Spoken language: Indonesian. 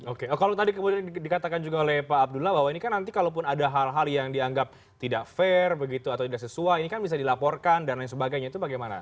oke kalau tadi kemudian dikatakan juga oleh pak abdullah bahwa ini kan nanti kalau pun ada hal hal yang dianggap tidak fair begitu atau tidak sesuai ini kan bisa dilaporkan dan lain sebagainya itu bagaimana